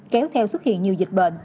kéo theo xuất hiện nhiều dịch bệnh